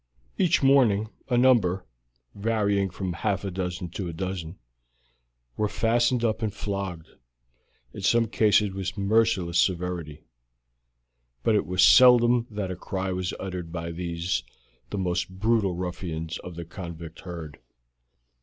Each morning a number, varying from half a dozen to a dozen, were fastened up and flogged, in some cases with merciless severity, but it was seldom that a cry was uttered by these, the most brutal ruffians of the convict herd.